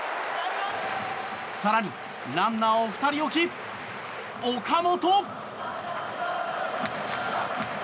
更にランナーを２人置き岡本。